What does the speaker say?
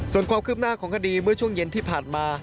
ส่วนความคืบหน้าของคดีเมื่อช่วงเย็นที่ผ่านมา